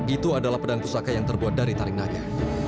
itu adalah pedang pusaka yang terbuat dari tarik naga